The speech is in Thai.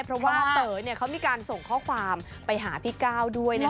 เพราะว่าเต๋อเขามีการส่งข้อความไปหาพี่ก้าวด้วยนะคะ